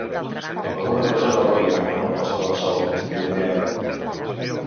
"Alguna cosa no rutlla amb la posta del sol", diu Meade.